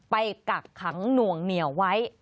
กักขังหน่วงเหนียวไว้